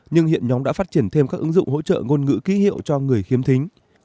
nhưng hiện nhóm đã phát triển thêm các ứng dụng hỗ trợ ngôn ngữ ký hiệu cho người khiếm thính